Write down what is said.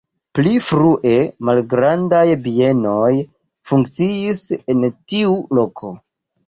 Pli frue malgrandaj bienoj funkciis en tiu loko.